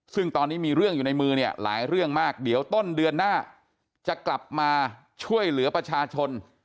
ซึ่งตอนนี้มีเรื่องอยู่ในมือเนี่ยหลายเรื่องมากเดี๋ยวต้นเดือนหน้าจะกลับมาช่วยเหลือประชาชน